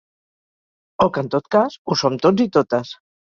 O que en tot cas, ho som tots i totes.